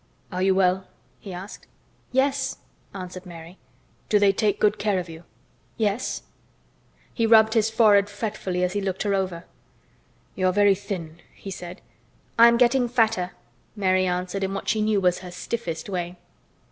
"Are you well?" he asked. "Yes," answered Mary. "Do they take good care of you?" "Yes." He rubbed his forehead fretfully as he looked her over. "You are very thin," he said. "I am getting fatter," Mary answered in what she knew was her stiffest way.